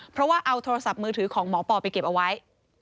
เพราะว่าเอาโทรศัพท์มือถือของหมอปอไปเก็บเอาไว้